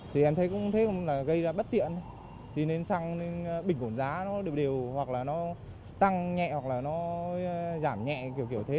thì em thấy cũng gây ra bất tiện xăng bình khổn giá nó đều đều hoặc là nó tăng nhẹ hoặc là nó giảm nhẹ kiểu kiểu thế